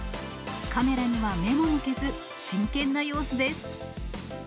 カメラには目も向けず、真剣な様子です。